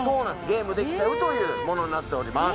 ゲームできちゃうというものになっております。